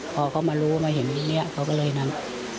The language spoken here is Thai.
พอเขามารู้มาเห็นทีนี้เขาก็เลยนั่น